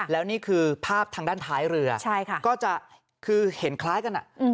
แล้วนี่คือภาพทางด้านท้ายเรือก็จะคือเห็นคล้ายกัน